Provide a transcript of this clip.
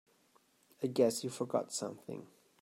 I guess you forgot something.